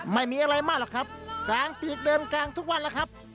ไม่มีอะไรมากหรอกครับกลางปีกเดินกลางทุกวันแล้วครับ